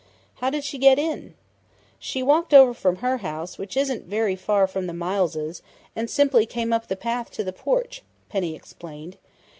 "How did she get in?" "She walked over from her house, which isn't very far from the Mileses', and simply came up the path to the porch," Penny explained.